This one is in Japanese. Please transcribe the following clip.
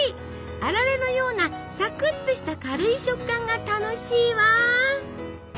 あられのようなサクッとした軽い食感が楽しいわ！